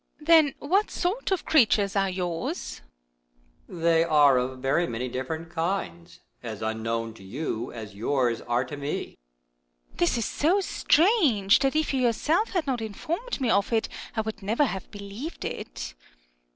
Earth. Then what sort of creatures are yours ? THE EARTH AND THE MOON. 43 3foon. They are of very many different kinds, as un known to you, as yours are to me. Earth. This is so strange that if you yourself had not informed me of . it, I would never have believed it.